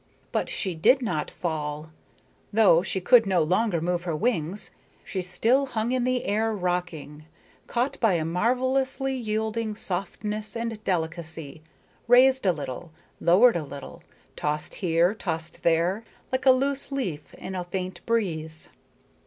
But she did not fall. Though she could no longer move her wings, she still hung in the air rocking, caught by a marvelously yielding softness and delicacy, raised a little, lowered a little, tossed here, tossed there, like a loose leaf in a faint breeze.